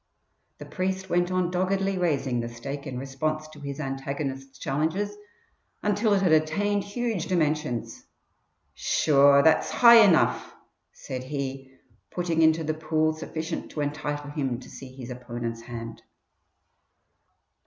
The priest went on doggedly raising the stake in response to his antagonist's challenges until it had attained huge dimensions. "Sure that's high enough," said he, putting into the pool sufficient to entitle him to see his opponent's hand.